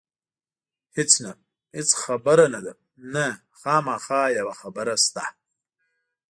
هېڅ نه، هېڅ خبره نه ده، نه، خامخا یوه خبره شته.